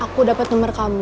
aku dapat nomer kamu